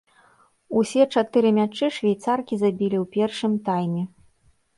Усе чатыры мячы швейцаркі забілі ў першым тайме.